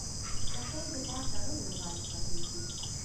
رسۍ د بار تړلو لپاره کارېږي.